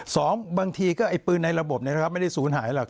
สองบางทีก็ไอ้ปืนในระบบไม่ได้ศูนย์หายหรอก